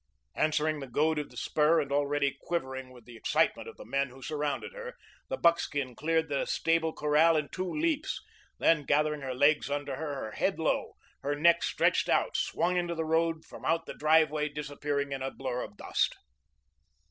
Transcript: Answering the goad of the spur, and already quivering with the excitement of the men who surrounded her, the buckskin cleared the stable corral in two leaps; then, gathering her legs under her, her head low, her neck stretched out, swung into the road from out the driveway disappearing in a blur of dust.